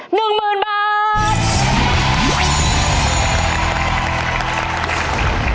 ๑หมื่นบาท